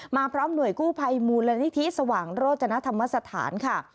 พร้อมหน่วยกู้ภัยมูลนิธิสว่างโรจนธรรมสถานค่ะ